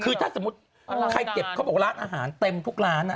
คือถ้าสมมุติใครเก็บเขาบอกร้านอาหารเต็มทุกร้าน